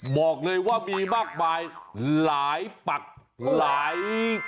บอกเลยว่ามีมากมายหลายปักหลาย